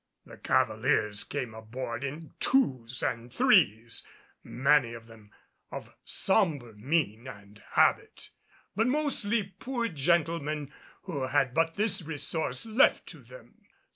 The cavaliers came aboard in twos and threes, many of them of somber mien and habit, but mostly poor gentlemen who had but this resource left to them.